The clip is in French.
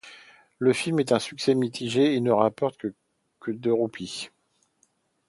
Le film est un succès mitigé et ne rapporte que de roupies.